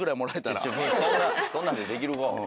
そんなんでできるか。